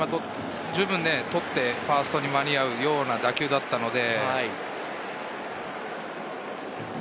十分捕って、ファーストに間に合うような打球だったので。